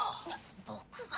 僕が？